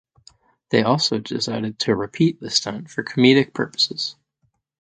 They also decided to repeat the stunt for comedic purposes.